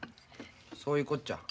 そういうこっちゃ。